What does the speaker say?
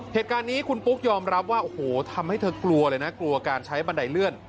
เหตุการณ์นี้คุณปุ๊กยอมรับว่าโอ้โหทำให้เธอกลัวเลยนะกลัวการใช้บันไดเลื่อน